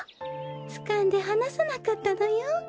つかんではなさなかったのよ。